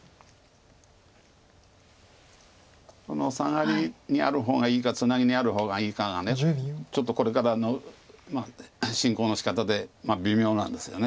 このサガリにある方がいいかツナギにある方がいいかがちょっとこれからの進行のしかたで微妙なんですよね。